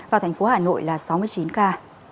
hãy đăng ký kênh để ủng hộ kênh của mình nhé